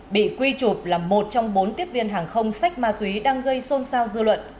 bị quy chụp là một trong bốn tiếp viên hàng không sách ma túy đang gây xôn xao dư luận